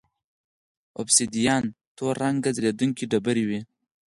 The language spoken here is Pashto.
اوبسیدیان تور رنګه ځلېدونکې ډبرې وې